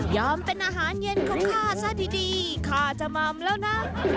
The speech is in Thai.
เป็นอาหารเย็นของข้าซะดีข้าจะมัมแล้วนะ